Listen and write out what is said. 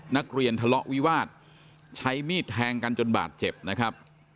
นักเรียนทะเลาะวิวาสใช้มีดแทงกันจนบาดเจ็บนะครับ